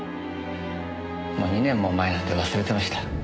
もう２年も前なんで忘れてました。